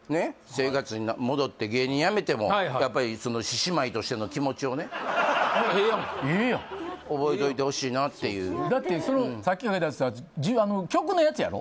生活に戻って芸人辞めてもやっぱりその獅子舞としての気持ちをねええやんかええやん覚えといてほしいなっていうだってそのさっき外したやつ局のやつろ？